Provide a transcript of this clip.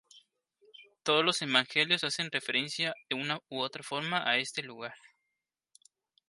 Todos los evangelios hacen referencia de una forma u otra a este lugar.